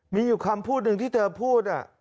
มีอยู่คำพูดหนึ่งที่เธอพูด